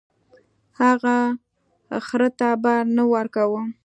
هغه خر ته بار نه ورکاوه.